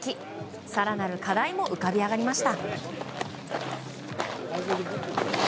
更なる課題も浮かび上がりました。